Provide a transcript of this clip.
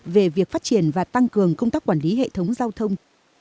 về việc phát triển và tăng cường công tác quản lý hệ thống giao thông